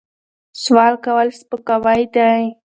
سوال کول سپکاوی دی.